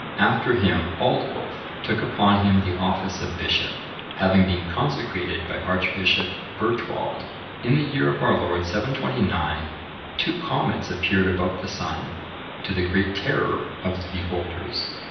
After him Aldwulf(1001) took upon him the office of bishop, having been consecrated by Archbishop Bertwald. In the year of our Lord 729, two comets appeared about the sun, to the great terror of the beholders.